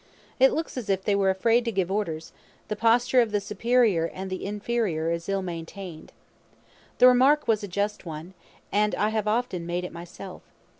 It looks as if they were afraid to give orders: the posture of the superior and the inferior is ill maintained." The remark was a just one, and I have often made it myself.